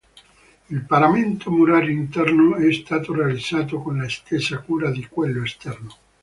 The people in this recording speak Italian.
Il paramento murario interno è stato realizzato con la stessa cura di quello esterno.